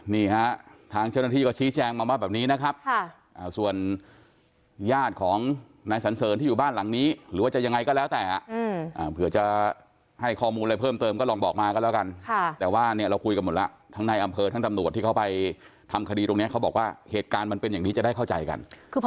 นี่ฮะทางเจ้าหน้าที่ก็ชี้แจงมาว่าแบบนี้นะครับส่วนญาติของนายสันเสริญที่อยู่บ้านหลังนี้หรือว่าจะยังไงก็แล้วแต่เผื่อจะให้ข้อมูลอะไรเพิ่มเติมก็ลองบอกมากันแล้วกันแต่ว่าเนี่ยเราคุยกันหมดแล้วทั้งในอำเภอทั้งตำรวจที่เขาไปทำคดีตรงนี้เขาบอกว่าเหตุการณ์มันเป็นอย่างนี้จะได้เข้าใจกัน